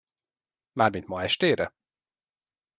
Mármint ma estére?